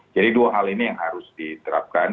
jadi dua hal ini yang harus diterapkan